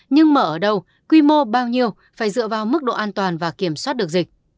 nhưng mở ở đâu quy mô bao nhiêu phải dựa vào mức độ an toàn và kiểm soát được